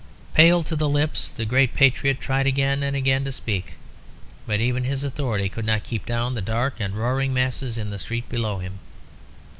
Pale to the lips, the great patriot tried again and again to speak; but even his authority could not keep down the dark and roaring masses in the street below him.